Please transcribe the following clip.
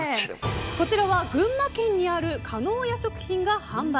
こちらは群馬県にある叶屋食品が販売。